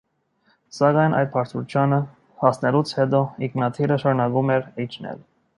Սակայն, այդ բարձրությանը հասնելուց հետո ինքնաթիռը շարունակում էր իջնել։